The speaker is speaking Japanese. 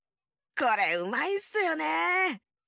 これうまいんすよね。